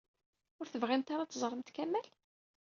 Ur tebɣimt ara ad teẓṛemt Kamal?